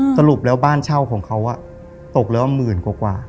อืมสรุปแล้วบ้านเช่าของเขาอ่ะตกแล้วหมื่นกว่ากว่า